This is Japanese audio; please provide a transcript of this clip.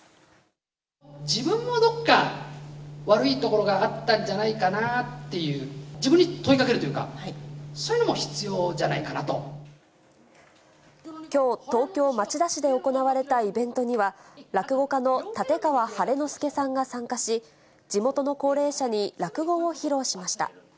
自分もどっか悪いところがあったんじゃないかなっていう、自分に問いかけるというか、きょう、東京・町田市で行われたイベントには、落語家の立川晴の輔さんが参加し、地元の高齢者に落語を披露しました。